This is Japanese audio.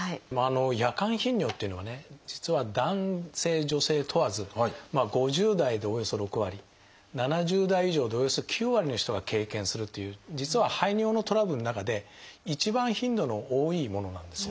夜間頻尿というのはね実は男性女性問わず５０代でおよそ６割７０代以上でおよそ９割の人が経験するという実は排尿のトラブルの中で一番頻度の多いものなんですよ。